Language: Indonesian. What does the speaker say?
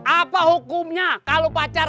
apa hukumnya kalau pacar